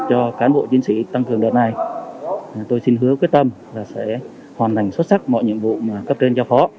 cho cán bộ chiến sĩ tăng cường đợt này tôi xin hứa quyết tâm là sẽ hoàn thành xuất sắc mọi nhiệm vụ mà cấp trên giao phó